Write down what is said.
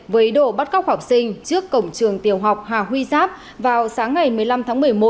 với ý đồ bắt góc học sinh trước cổng trường tiểu học hà huy giáp vào sáng ngày một mươi năm tháng một mươi một